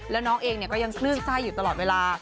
แล้วน้องเองก็ยังคลื่นไส้อยู่ตลอดเวลา